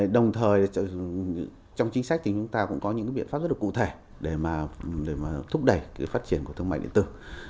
đồng thời trong chính sách chúng ta cũng có những biện pháp rất cụ thể để thúc đẩy phát triển của thương mại điện tử